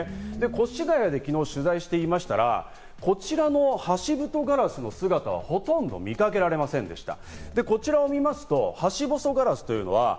越谷で昨日取材していましたら、こちらのハシブトガラスの姿はほとんど見かけられませんでした。